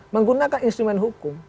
menggunakan instrumen hukum